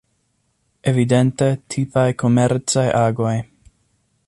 Evidente tipaj komercaj agoj.